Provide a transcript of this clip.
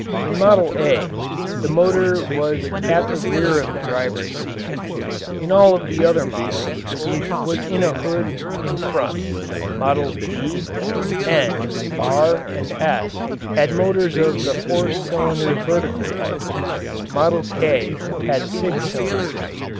In "Model A" the motor was at the rear of the driver's seat. In all of the other models it was in a hood in front. Models "B," "N," "R," and "S" had motors of the four cylinder vertical type. "Model K" had six cylinders.